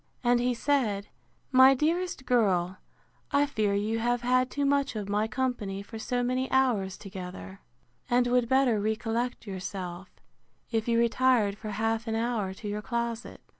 —And he said, My dearest girl, I fear you have had too much of my company for so many hours together; and would better recollect yourself, if you retired for half an hour to your closet.